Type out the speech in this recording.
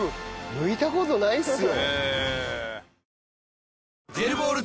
むいた事ないっすよ。